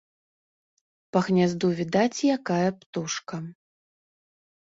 Па гнязду відаць, якая птушка